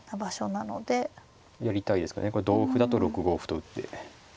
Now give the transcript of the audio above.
同歩だと６五歩と打って。